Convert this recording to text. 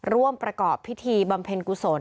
ร่วมประกอบพิธีบำเพ็ญกุศล